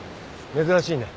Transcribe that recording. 珍しいね。